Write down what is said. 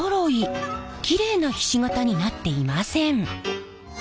キレイなひし形になっていません。